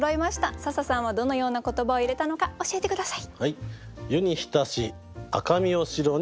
笹さんはどのような言葉を入れたのか教えて下さい。